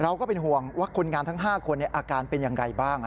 ก็เป็นห่วงว่าคนงานทั้ง๕คนอาการเป็นอย่างไรบ้าง